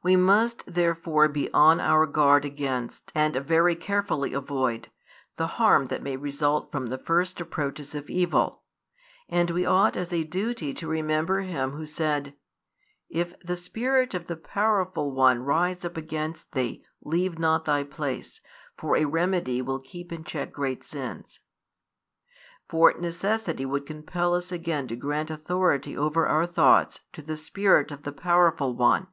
We must therefore be on our guard against, and very carefully avoid, the harm that may result from the first approaches of evil; and we ought as a duty to remember him who said: If the spirit of the powerful one rise up against thee, leave not thy place, for a remedy will keep in check great sins. For necessity would compel us again to grant authority over our thoughts to the spirit |201 of the powerful one.